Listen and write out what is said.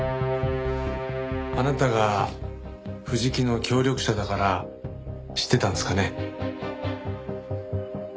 あなたが藤木の協力者だから知ってたんですかね？